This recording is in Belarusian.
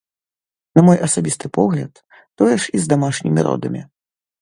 На мой асабісты погляд, тое ж і з дамашнімі родамі.